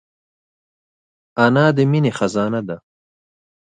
انا د مینې خزانه ده